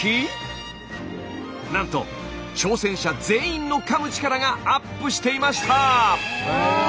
なんと挑戦者全員のかむ力がアップしていました！